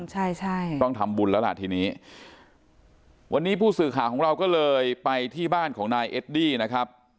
ใช่ใช่ต้องทำบุญแล้วล่ะทีนี้วันนี้ผู้สื่อข่าวของเราก็เลยไปที่บ้านของนายเอดดี้นะครับ